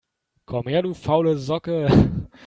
Komm her, du faule Socke!